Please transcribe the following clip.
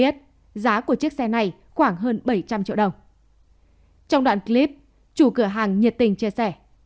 trong đoạn clip chủ cửa hàng nhiệt tình chia sẻ